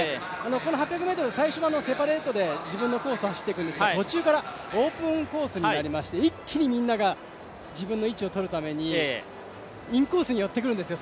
この８００ｍ、最初はセパレートで自分のコースを走っていくんですけど途中からオープンコースになりまして、一気にみんなが自分の位置を取るためにインコースに寄ってくるんですよ。